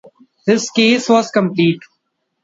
His case was complete.